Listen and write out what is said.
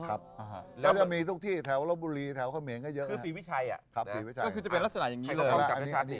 เขาจะมีทุกที่แถวรบบุรีแถวขมิงก็เยอะ